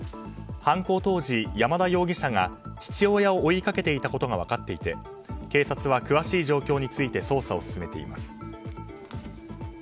犯行当時、山田容疑者が父親を追いかけていたことが分かっていて警察は詳しい状況について捜査を進めています。